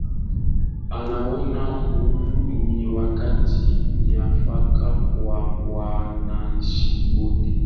anaona huu ni wakati mwafaka kwa wananchi wote